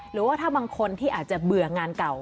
หรือว่าถ้าบางคนที่อาจจะเบื่องานเก่า